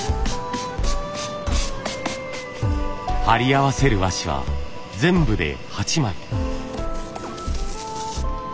貼り合わせる和紙は全部で８枚。